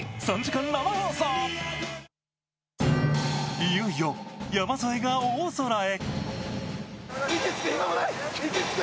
いよいよ山添が大空へ。